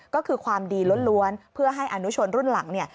ก็คือความดีล้วนเพื่อให้อนุชนรุ่นหลังเนี่ย